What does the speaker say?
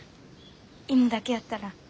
芋だけやったら。